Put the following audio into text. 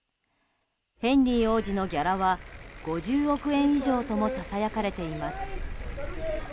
ヘンリー王子のギャラは５０億円以上ともささやかれています。